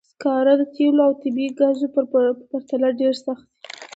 سکاره د تېلو او طبیعي ګازو په پرتله ډېر سخت دي.